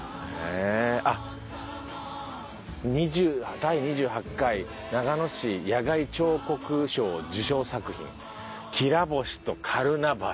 「第２８回長野市野外彫刻賞受賞作品『きら星とカルナバル』」